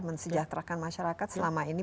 mensejahterakan masyarakat selama ini